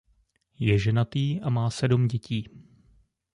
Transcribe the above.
Je ženatý a má sedm dětí.